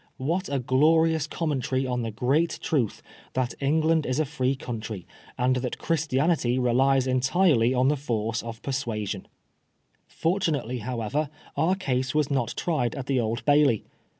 What a glorious commentary on the great truth that England is a free country, and that Christianity relies entirely on the force of persuasion I Fortunately, however, our case was not tried at the Old Bailey.